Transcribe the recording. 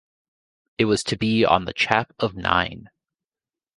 It was to be on the chap of nine.